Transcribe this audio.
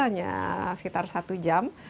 hanya sekitar satu jam